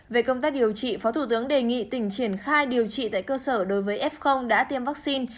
về công tác điều trị phó thủ tướng đề nghị tỉnh triển khai điều trị tại cơ sở đối với f đã tiêm vaccine